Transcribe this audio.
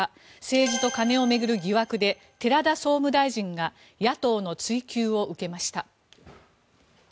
政治と金を巡る疑惑で寺田総務大臣が野党の追及を受けました。